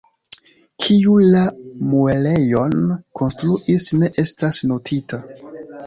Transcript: Kiu la muelejon konstruis ne estas notita.